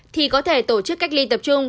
thì có thể tổ chức cách ly tập trung